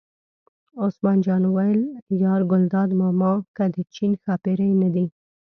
عثمان جان وویل: یار ګلداد ماما که د چین ښاپېرۍ نه دي.